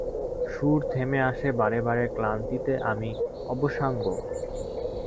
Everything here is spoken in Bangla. সুর থেমে আসে বারে বারে, ক্লান্তিতে আমি অবশাঙ্গ।